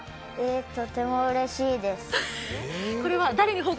とてもうれしいです。